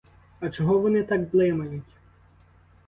А чого вони так блимають?